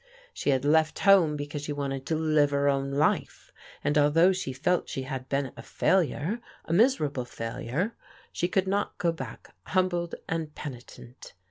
She had left home because she wanted to live her own life, and although she felt she had been a failure, a miserable failure, she could not go back humbled and penitent.